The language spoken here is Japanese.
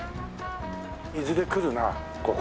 いずれ来るなここ。